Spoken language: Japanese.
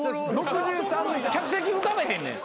客席浮かばへんねん。